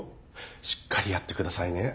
しっかりやってくださいね。